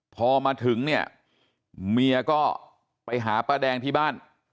พอมาถึงเนี่ยเมียก็ไปหาป้าแดงที่บ้าน